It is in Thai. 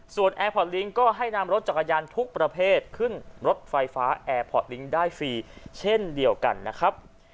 ส่วนแอร์พอร์ตลิงค์ก็ให้นำรถจักรยานทุกประเภทขึ้นรถไฟฟ้าแอร์พอร์ตลิงค์ได้ฟรีเช่นเดียวกันนะครับ